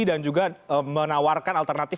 dan juga menawarkan alternatif